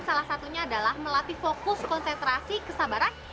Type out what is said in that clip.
salah satunya adalah melatih fokus konsentrasi kesabaran